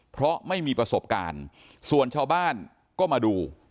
เพราะไม่มีประสบการณ์ส่วนชาวบ้านก็มาดู